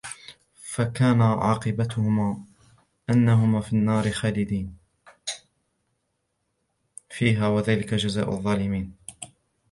فكان عاقبتهما أنهما في النار خالدين فيها وذلك جزاء الظالمين